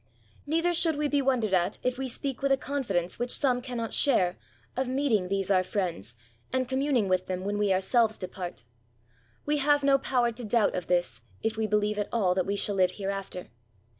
Neither should we be wondered at if we speak with a confidence which some cannot share^ of meeting these our friends, and communing wth them, when we ourselves depart. We have no power to doubt of this, if we believe at all that we shall live hereafter.